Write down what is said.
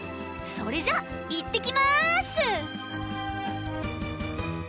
それじゃあいってきます！